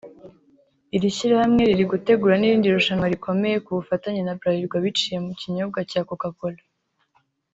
Iri shyirahamwe riri gutegura n’irindi rushanwa rikomeye ku bufatanye na Bralirwa biciye mu kinyobwa cya CocaCola